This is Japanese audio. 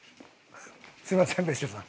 すみません別所さん。